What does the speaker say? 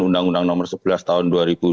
undang undang nomor sebelas tahun dua ribu dua